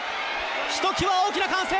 ひときわ大きな歓声。